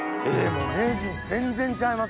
名人全然ちゃいます